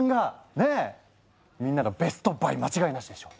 ねえみんなのベストバイ間違いなしでしょう？